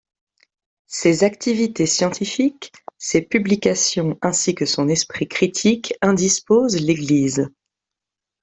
Ses activités scientifiques, ses publications ainsi que son esprit critique indisposent l'Église.